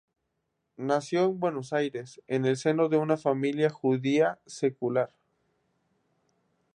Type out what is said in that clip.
Nació en Buenos Aires en el seno de una familia judía secular.